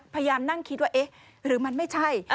พยายามนั่งคิดว่าเอ๊ะหรือมันไม่ใช่